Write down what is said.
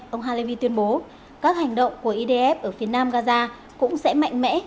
ông halevy tuyên bố các hành động của edf ở phía nam gaza cũng sẽ mạnh mẽ